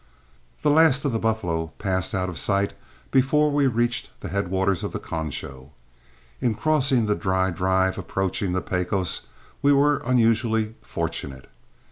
The last of the buffalo passed out of sight before we reached the headwaters of the Concho. In crossing the dry drive approaching the Pecos we were unusually fortunate.